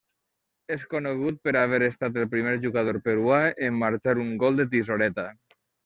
És conegut per haver estat el primer jugador peruà en marxar un gol de tisoreta.